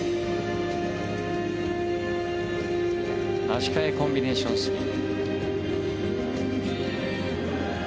足換えコンビネーションスピン。